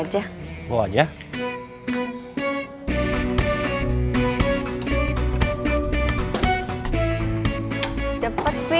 iya ya udah tuh pi